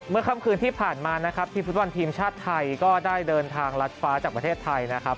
ค่ำคืนที่ผ่านมานะครับทีมฟุตบอลทีมชาติไทยก็ได้เดินทางรัดฟ้าจากประเทศไทยนะครับ